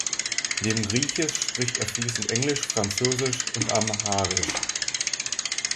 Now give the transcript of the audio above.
Neben Griechisch spricht er fließend English, Französisch und Amharisch.